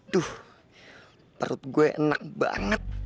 duh perut gue enak banget